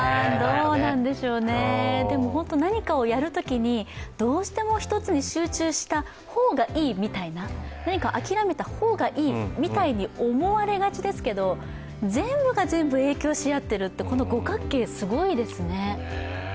でも本当に、何かをやるときにどうしても１つに集中した方がいいとか、諦めた方がいいみたいに思われがちですけど、全部が全部影響しあってるって、この五角形、すごいですね。